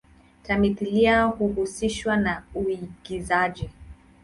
Tamthilia huhusishwa na uigizaji.